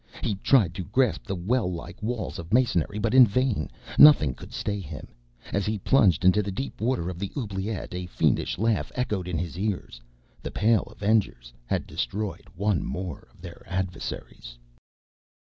He tried to grasp the well like walls of masonry, but in vain. Nothing could stay him. As he plunged into the deep water of the oubliette a fiendish laugh echoed in his ears. The Pale Avengers had destroyed one more of their adversaries.